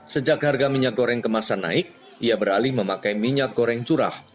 sejak harga minyak goreng kemasan naik ia beralih memakai minyak goreng curah